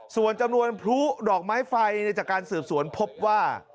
ส่วนจำนวนพลุดอกไม้ไฟจากการสืบสวนพบว่า